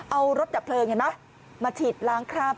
เอารถจับเพลิงมาถีดล้างคลาบ